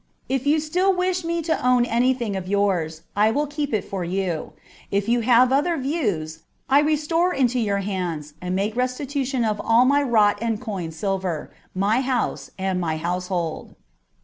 If you still wish me to own anything of yours, I will keep it for you : if you have other views, I restore into your hands and make restitution of all my wrought and coined silver, my house and my T 274 MINOR DIALOGUES. [bK. IX. household.